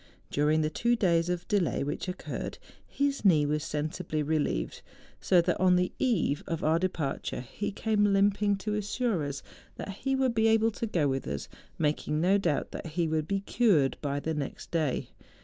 During the two days of delay which occurred, his knee was sensibly re¬ lieved, so that on the/eve of our departure, he came limping to assure us that he would be able to go with us, making no doubt tliat he would be cured by the next day.